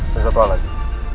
cuma satu hal lagi